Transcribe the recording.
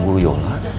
ibu guru yulah